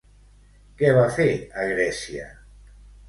Què va fer a Grècia?